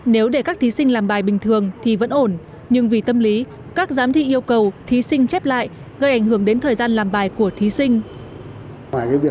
nếu để các thí sinh làm bài bình thường thì vẫn ổn nhưng vì tâm lý các giám thị yêu cầu thí sinh chép lại gây ảnh hưởng đến thời gian làm bài của thí sinh